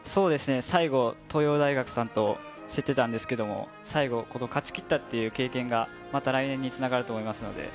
最後、東洋大学さんと競っていたんですけれど、最後勝ちきったという経験が来年に繋がると思います。